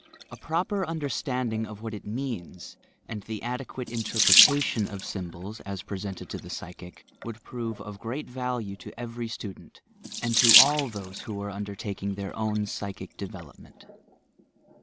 A proper under standing of what it means, and the adequate interpre tation of symbols, as presented to the psychic, would prove of great value to every student, and to all those who are undertaking their own psychic development.